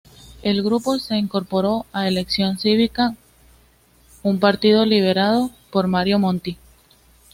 El grupo se incorporó a Elección Cívica, un partido liderado por Mario Monti.